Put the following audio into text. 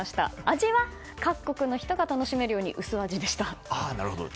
味は各国の人が楽しめるように薄味でした。